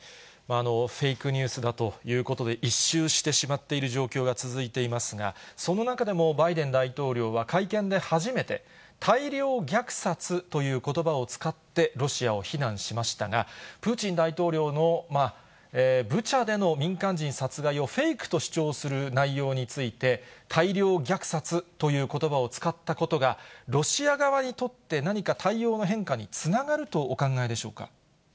フェイクニュースだということで、一蹴してしまっている状況が続いていますが、その中でも、バイデン大統領は会見で初めて、大量虐殺ということばを使って、ロシアを非難しましたが、プーチン大統領のブチャでの民間人殺害をフェイクと主張する内容について、大量虐殺ということばを使ったことがロシア側にとって、何か対応の変化につながるとお考えでしょうか。